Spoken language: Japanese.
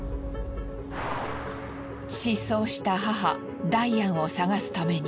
失踪した母ダイアンを捜すために。